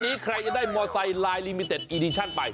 ตอนนี้ใครจะได้มอสไซลายลิมิเต็ดอีดิชันไป